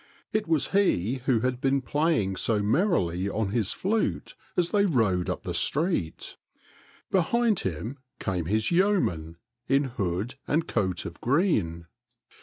It was he who had been playing so merrily on his flute as they rode up the street. Behind him came his yeoman in hood and coat of green.